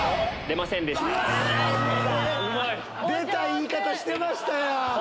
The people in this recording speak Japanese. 出た言い方してましたやん！